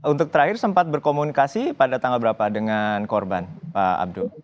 untuk terakhir sempat berkomunikasi pada tanggal berapa dengan korban pak abdul